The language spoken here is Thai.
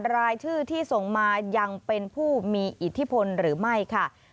รายชื่อที่ส่งมายังเป็นผู้มีอิทธิพลหรือไม่ค่ะ